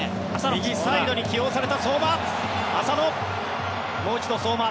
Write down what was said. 右サイドに起用された相馬。